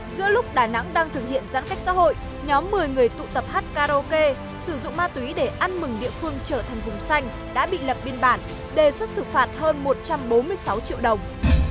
giữa lúc đà nẵng đang thực hiện giãn cách xã hội nhóm một mươi người tụ tập hát karaoke sử dụng ma túy để ăn mừng địa phương trở thành vùng xanh đã bị lập biên bản đề xuất xử phạt hơn một trăm bốn mươi sáu triệu đồng